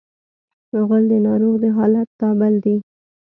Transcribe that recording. غول د ناروغ د حالت تابل دی.